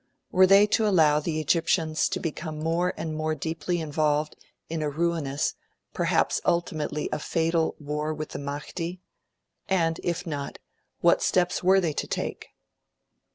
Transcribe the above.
Were they to allow the Egyptians to become more and more deeply involved in a ruinous, perhaps ultimately a fatal, war with the Mahdi? And, if not, what steps were they to take?